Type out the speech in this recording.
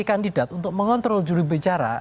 kandidat untuk mengontrol jurubicara